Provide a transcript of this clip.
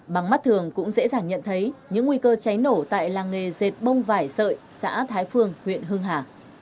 bằng mắt thường cũng dễ dàng nhận thấy những nguy cơ cháy nổ tại làng nghề dệt bông vải sợi xã thái phương huyện hưng hà